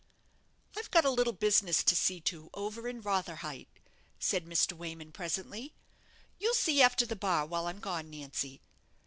"I've got a Little business to see to over in Rotherhithe," said Mr. Wayman, presently; "you'll see after the bar while I'm gone, Nancy.